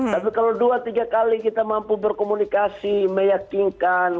tapi kalau dua tiga kali kita mampu berkomunikasi meyakinkan